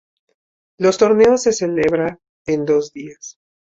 Los torneos se celebra en dos días.